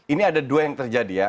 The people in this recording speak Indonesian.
ini ada dua yang terjadi ya